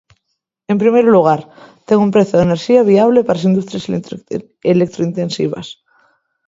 En primeiro lugar, ter un prezo da enerxía viable para as industrias electrointensivas.